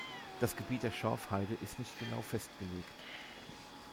Das Gebiet der Schorfheide ist nicht genau festgelegt.